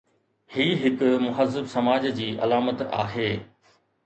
هي هڪ مهذب سماج جي علامت آهي.